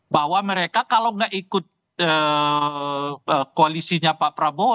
bahwa mereka kalau nggak ikut koalisinya pak prabowo